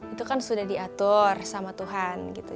itu kan sudah diatur sama tuhan gitu